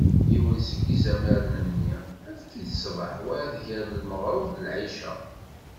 Yiwen seg izamaren-nni, efk-it ṣṣbeḥ, wayeḍ gar lmeɣreb d lɛica.